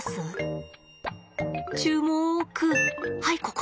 注もくはいここ。